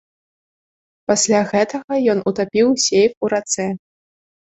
Пасля гэтага ён утапіў сейф ў рацэ.